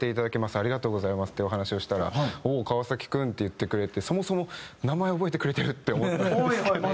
「ありがとうございます」っていうお話をしたら「おお川崎君」って言ってくれてそもそも名前覚えてくれてる！って思ったんですけど。